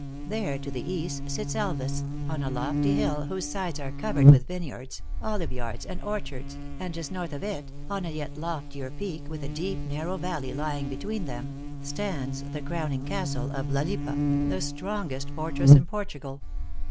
There, to the east, sits Elvas, on a lofty hill, whose sides are covered with vineyards, oliveyards and orchards, and just north of it, on a yet loftier peak, with a deep narrow valley lying between them, stands the crowning castle of La Lippe, the strongest fortress in Portugal.